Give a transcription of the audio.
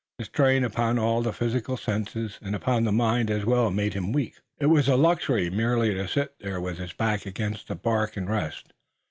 The strain upon all the physical senses and upon the mind as well made him weak. It was a luxury merely to sit there with his back against the bark and rest.